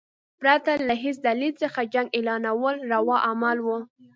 پرته له هیڅ دلیل څخه جنګ اعلانول روا عمل وو.